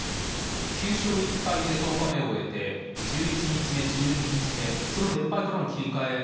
９勝１敗で１０日目を終えて１１日目１２日目その連敗からの切り替え